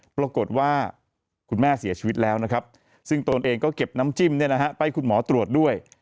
ปรากฏว่าคุณแม่เสียชีวิตแล้วนะครับซึ่งตนเองก็เก็บน้ำจิ้มไปให้คุณหมอตรวจด้วย